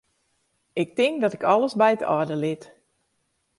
Ik tink dat ik alles by it âlde lit.